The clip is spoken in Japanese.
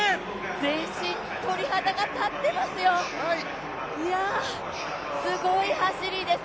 全身鳥肌が立っていますよ、すごい走りです。